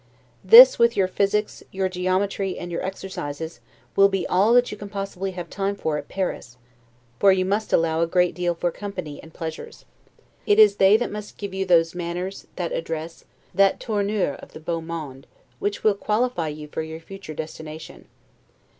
This, with your physics, your geometry, and your exercises, will be all that you can possibly have time for at Paris; for you must allow a great deal for company and pleasures: it is they that must give you those manners, that address, that 'tournure' of the 'beau monde', which will qualify you for your future destination.